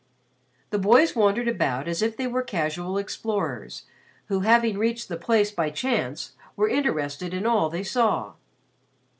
The boys wandered about as if they were casual explorers, who having reached the place by chance were interested in all they saw.